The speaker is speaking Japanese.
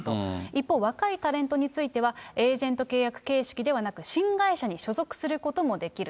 一方、若いタレントについては、エージェント契約形式ではなく、新会社に所属することもできる。